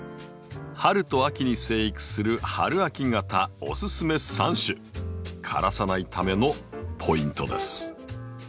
春と秋に生育する春秋型おススメ３種枯らさないためのポイントです。